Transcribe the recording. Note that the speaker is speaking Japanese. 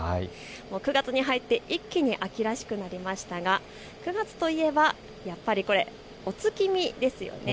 ９月に入って一気に秋らしくなりましたが９月といえば、やっぱり、お月見ですよね。